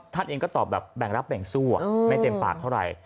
ท่านเองก็ตอบแบบแบ่งรับแบ่งสู้ไม่เต็มปากเท่าไหร่